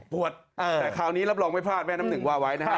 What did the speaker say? ปวดแต่คราวนี้รับรองไม่พลาดแม่น้ำหนึ่งว่าไว้นะฮะ